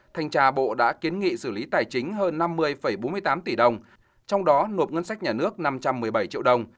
thanh tra bộ đã kiến nghị xử lý tài chính hơn năm mươi bốn mươi tám tỷ đồng trong đó nộp ngân sách nhà nước năm trăm một mươi bảy triệu đồng